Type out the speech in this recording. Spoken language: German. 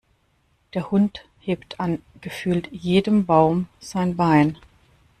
Der Hund hebt an gefühlt jedem Baum sein Bein.